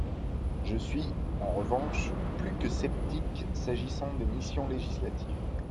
Je suis, en revanche, plus que sceptique s’agissant des missions législatives.